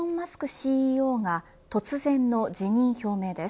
ＣＥＯが突然の辞任表明です。